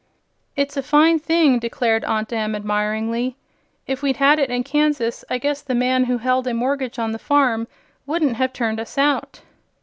"It's a fine thing," declared Aunt Em, admiringly. "If we'd had it in Kansas I guess the man who held a mortgage on the farm wouldn't have turned us out."